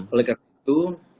oleh karena itu